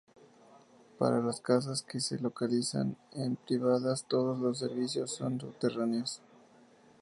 Para las casas que se localizan en privadas, todos los servicios son subterráneos.